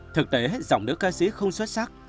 thực tế giọng nữ ca sĩ không xuất sắc